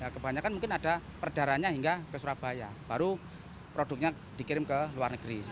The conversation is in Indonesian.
kebanyakan mungkin ada perdaranya hingga ke surabaya baru produknya dikirim ke luar negeri